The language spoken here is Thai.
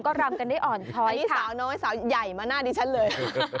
ก็รำกันได้อ่อนช้อยสาวน้อยสาวใหญ่มาหน้าดิฉันเลย